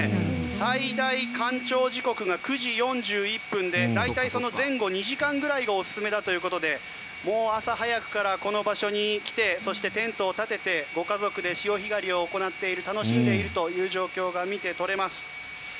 最大干潮時刻が９時４１分で大体、その前後２時間くらいがおすすめだということでもう朝早くからこの場所に来てそして、テントを立ててご家族で潮干狩りを行っている楽しんでいるという状況が見て取れます。